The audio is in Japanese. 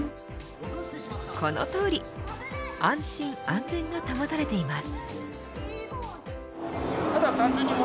このとおり安心安全が保たれています。